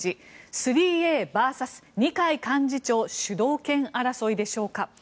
３ＡＶＳ二階幹事長主導権争いでしょうか。